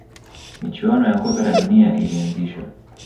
michuano ya kombe la dunia ilianzishwa